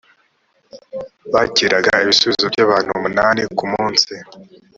bakiraga ibisubizo by’ abantu umunani ku munsi